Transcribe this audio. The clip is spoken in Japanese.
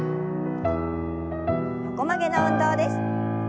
横曲げの運動です。